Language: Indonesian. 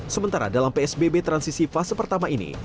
sementara dalam psbb transisi fase pertama ini